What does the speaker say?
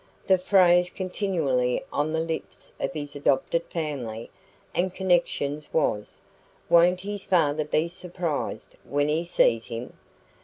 The phrase continually on the lips of his adopted family and connections was: 'Won't his father be surprised when he sees him!'